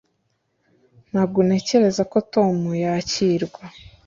Ntabwo ntekereza ko Tom yakirwa